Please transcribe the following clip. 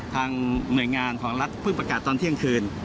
หน่วยงานของรัฐเพิ่งประกาศตอนเที่ยงคืน